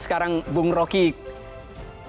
sekarang bung roky kenaik